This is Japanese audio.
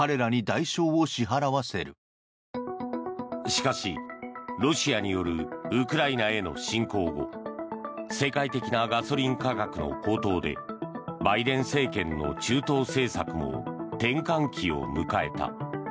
しかし、ロシアによるウクライナへの侵攻後世界的なガソリン価格の高騰でバイデン政権の中東政策も転換期を迎えた。